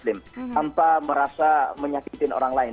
tidak merasa menyakiti orang lain